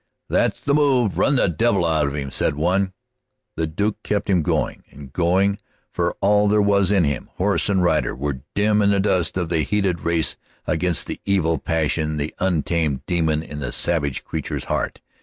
"That's the move run the devil out of him," said one. The Duke kept him going, and going for all there was in him. Horse and rider were dim in the dust of the heated race against the evil passion, the untamed demon, in the savage creature's heart.